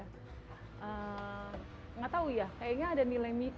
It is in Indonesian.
tidak tahu ya kayaknya ada nilai